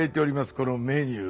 このメニュー。